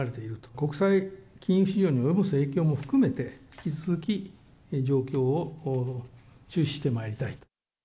国際金融市場に及ぼす影響も含めて、引き続き状況を注視してまいりたいと。